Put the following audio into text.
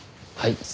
はい。